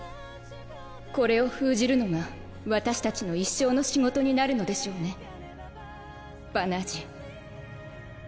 これを封じるのが私たちの一生の仕事になるのでしょうねバナージ。